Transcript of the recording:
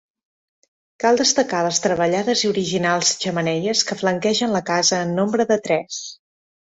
Cal destacar les treballades i originals xemeneies que flanquegen la casa en nombre de tres.